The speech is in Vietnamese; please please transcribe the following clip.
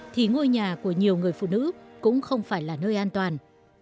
thì ngôi nhà của nhiều người phụ nữ cũng không phải là nơi an toàn